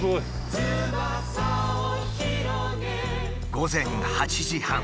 午前８時半。